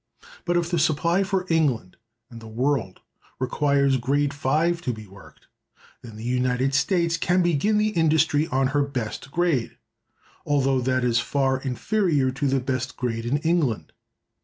But if the supply for England and the world requires grade 5 to be worked, then the United States can begin the industry on her best grade, although that is far inferior to the best grade in England.